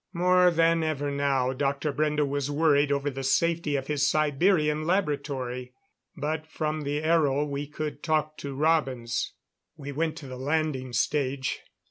More than ever now, Dr. Brende was worried over the safety of his Siberian laboratory; but from the aero we could talk to Robins. We went to the landing stage.